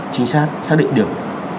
chính sát xác định được